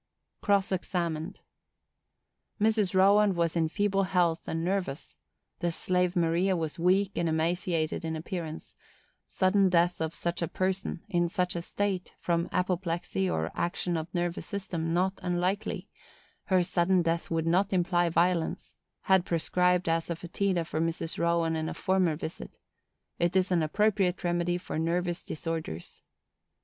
Cross examined.—Mrs. Rowand was in feeble health, and nervous; the slave Maria was weak and emaciated in appearance; sudden death of such a person, in such a state, from apoplexy or action of nervous system, not unlikely; her sudden death would not imply violence; had prescribed asafœtida for Mrs. Rowand on a former visit; it is an appropriate remedy for nervous disorders.